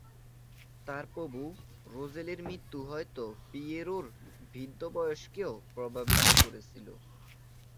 তার প্রভু রোজেলির মৃত্যু হয়তো পিয়েরোর বৃদ্ধ বয়সকেও প্রভাবিত করেছিল।